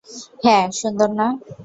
হ্যাঁ, সুন্দর না?